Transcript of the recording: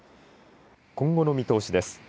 今後の見通しです。